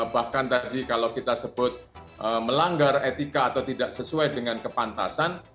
bahkan tadi kalau kita sebut melanggar etika atau tidak sesuai dengan kepantasan